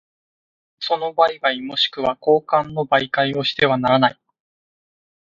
その売買若しくは交換の媒介をしてはならない。